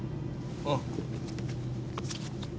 ああ。